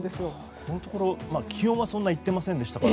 ここのところ気温はあまりいってませんでしたから。